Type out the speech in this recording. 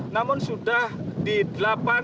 namun sudah dilaporkan